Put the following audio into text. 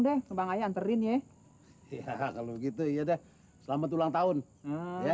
deh kebangannya anterin ya iya kalau gitu ya deh selamat ulang tahun ya ya